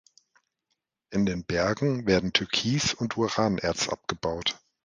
In den Bergen werden Türkis und Uranerz abgebaut.